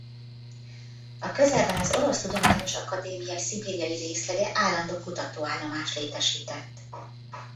A közelben az Orosz Tudományos Akadémia szibériai részlege állandó kutatóállomást létesített.